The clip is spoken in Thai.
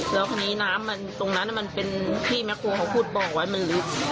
แล้วคนนี้น้ำมันตรงนั้นมันเป็นที่แม็กโครของเขาพูดบอกว่ามันริบ